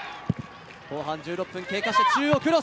後半１６分経過して、中央クロス。